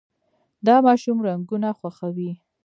دا ماشوم رنګونه خوښوي.